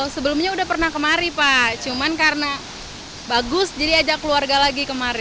sebelumnya udah pernah kemari pak cuman karena bagus jadi ajak keluarga lagi kemarin